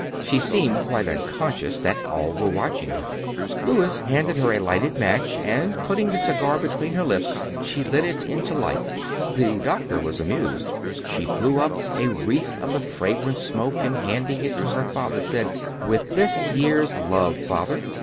She seemed quite unconscious that all were watching her. Louis handed her a lighted match, and putting the cigar between her lips, she lit it into life. The doctor was amused. She blew up a wreath of the fragrant smoke and handing it to her father, said, "With this year's love, Father."